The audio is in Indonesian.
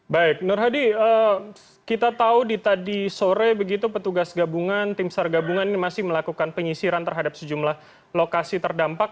baik nur hadi kita tahu di tadi sore begitu petugas gabungan tim sar gabungan ini masih melakukan penyisiran terhadap sejumlah lokasi terdampak